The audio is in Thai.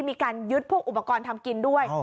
มีการยึดพวกอุปกรณ์ทำกินด้วย